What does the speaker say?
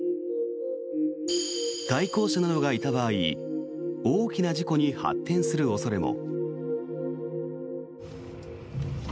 対向車などがいた場合大きな事故に発展する恐れも。